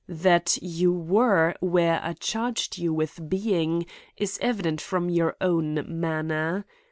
That you were where I charge you with being is evident from your own manner.